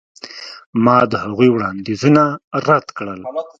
ما د هغوی وړاندیزونه رد کړل.